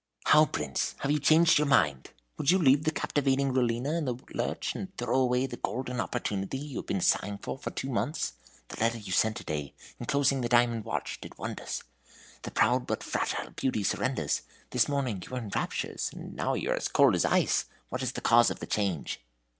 "How, Prince? Have you changed your mind? Would you leave the captivating Rollina in the lurch, and throw away the golden opportunity you have been sighing for for two months? The letter you sent to day, inclosing the diamond watch, did wonders. The proud but fragile beauty surrenders. This morning you were in raptures, and now you are as cold as ice! What is the cause of the change?"